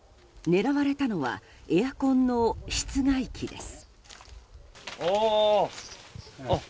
狙われたのはエアコンの室外機です。